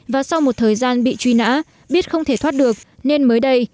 và sau một thời gian bị truy nã biết không thể thoát được nên mới đây